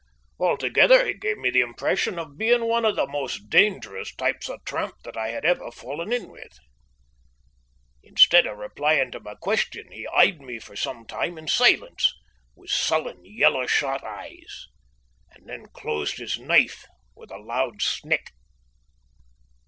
Altogether he gave me the impression of being one of the most dangerous types of tramp that I had ever fallen in with. Instead of replying to my question, he eyed me for some time in silence with sullen, yellow shot eyes, and then closed his knife with a loud snick.